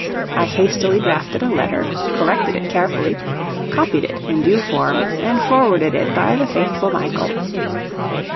I hastily drafted a letter, corrected it carefully, copied it in due form, and forwarded it by the faithful Michael.